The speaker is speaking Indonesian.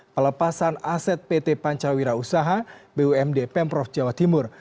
pelepasan aset pt pancawira usaha bumd pemprov jawa timur